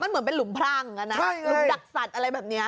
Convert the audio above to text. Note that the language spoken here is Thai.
มันเหมือนเป็นหลุมพลังหลุมดักสัตว์อะไรแบบนี้